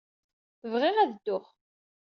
Bɣiɣ ad dduɣ.